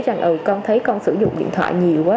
rằng con thấy con sử dụng điện thoại nhiều quá